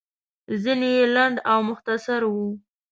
ځينې يې لنډ او مختصر وو.